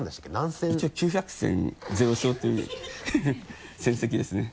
一応９００戦０勝という戦績ですね。